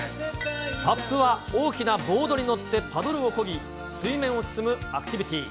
サップは大きなボードに乗ってパドルを漕ぎ、水面を進むアクティビティ。